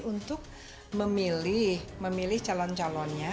untuk memilih calon calonnya